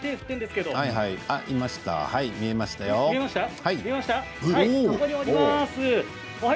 見えましたよ。